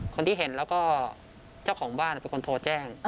คนที่เห็นแล้วก็เจ้าของบ้านเป็นคนโทรแจ้ง